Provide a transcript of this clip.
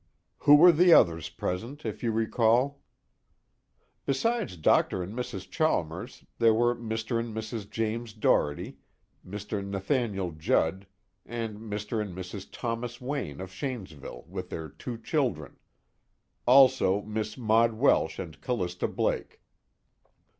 "Who were the others present, if you recall?" "Besides Dr. and Mrs. Chalmers, there were Mr. and Mrs. James Doherty, Mr. Nathaniel Judd, and Mr. and Mrs. Thomas Wayne of Shanesville with their two children. Also Miss Maud Welsh and Callista Blake."